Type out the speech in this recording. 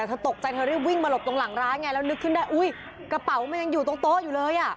เธอตกใจเธอรีบวิ่งมาหลบตรงหลังร้านไงแล้วนึกขึ้นได้อุ้ยกระเป๋ามันยังอยู่ตรงโต๊ะอยู่เลยอ่ะ